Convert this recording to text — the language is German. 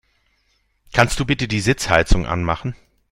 Kannst du bitte die Sitzheizung anmachen?